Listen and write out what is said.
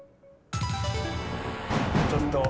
ちょっと。